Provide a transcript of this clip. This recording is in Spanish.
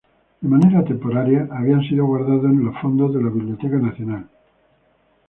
De manera temporaria habían sido guardados en los fondos de la Biblioteca Nacional.